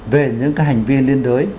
về những cái hành vi liên đối